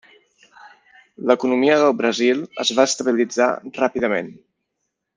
L'economia del Brasil es va estabilitzar ràpidament.